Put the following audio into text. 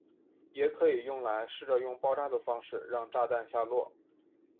也可以用来试着用爆炸的方式让炸弹下落。